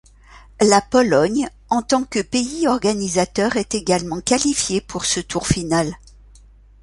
La Pologne, en tant que pays organisateur, est également qualifié pour ce tour final.